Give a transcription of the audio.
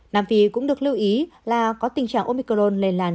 nam phi cũng được lưu ý là có tình trạng omicron lây làn